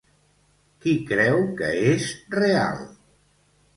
Qui creu que és real?